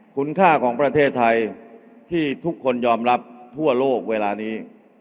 คุณค่าของประเทศไทยที่ทุกคนยอมรับทั่วโลกเวลานี้